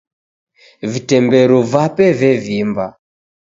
Vitemberu vape vevimba.